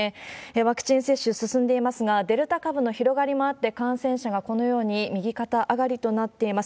ワクチン接種進んでいますが、デルタ株の広がりもあって、感染者がこのように右肩上がりとなっています。